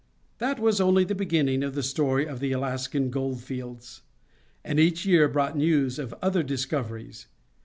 That was only the beginning of the story of the Alaskan gold fields, and each year brought news of other discoveries.